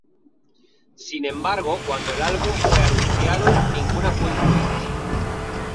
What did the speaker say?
Sin embargo cuando el álbum fue anunciado ninguna fue incluida.